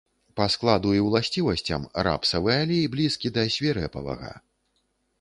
Па складу і уласцівасцям рапсавы алей блізкі да свірэпавага.